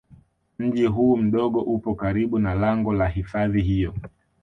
Mji huu mdogo upo karibu na lango la hifadhi hiyo